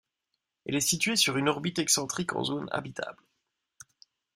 Elle est située sur une orbite excentrique en zone habitable.